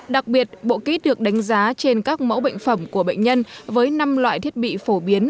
đặc biệt bộ kit được đánh giá trên các mẫu bệnh phẩm của bệnh nhân với năm loại thiết bị phổ biến